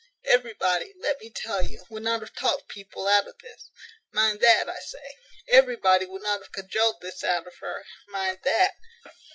Everybody, let me tell you, would not have talked people out of this. Mind that, I say; everybody would not have cajoled this out of her, mind that."